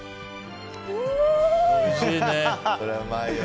おいしいね。